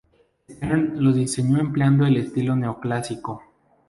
Stern lo diseñó empleado el estilo neoclásico.